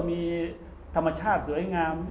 มีธรรมชาติสวยงาม